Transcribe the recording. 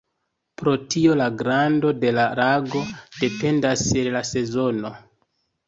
Pro tio la grando de la lago dependas el la sezono.